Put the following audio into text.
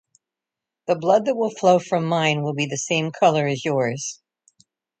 The blood that will flow from mine will be the same color as yours.